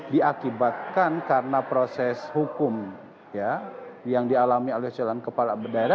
diakibatkan karena proses hukum yang dialami oleh calon kepala daerah